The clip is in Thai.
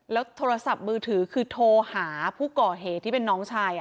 แล้วโทรศัพท์มือถือคือโทรหาผู้ก่อเหตุที่เป็นน้องชาย